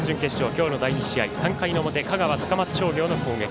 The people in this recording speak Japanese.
今日の第２試合３回の表、香川、高松商業の攻撃。